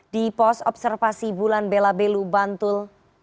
di pos observasi bulan belabelu bantul